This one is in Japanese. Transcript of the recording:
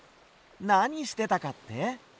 なにしてたかって？